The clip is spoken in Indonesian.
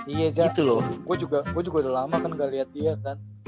iya gua juga udah lama kan ga liat dia kan